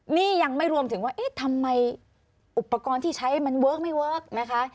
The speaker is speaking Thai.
นี่ยังไม่รวมถึงว่าเอ๊ะทำไมอุปกรณ์ที่ใช้มันเวิร์คไม่เวิร์คนะคะ